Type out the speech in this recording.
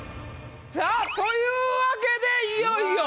さぁというわけでいよいよ！